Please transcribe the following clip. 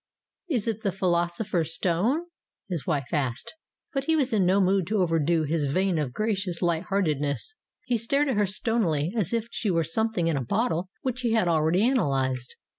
"Is it the philosopher's stone?" his wife asked. 321 322 STORIES WITHOUT TEARS But he was in no mood to overdo his vein of gra cious light heartedness. He stared at her stonily as if she were something in a bottle which he had already analyzed.